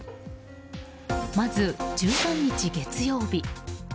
まず１３日、月曜日。